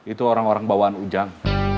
itu orang orang bawaan ujang